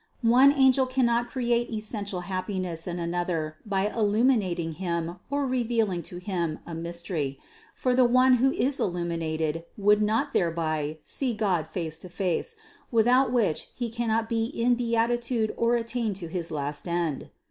One angel cannot create essential happiness in another by illuminat ing him or revealing to him a mystery ; for the one who is illuminated would not thereby see God face to face, without which he cannot be in beatitude or attain to his last end.